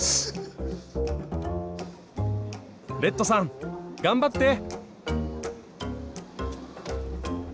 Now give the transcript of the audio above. レッドさん頑張って！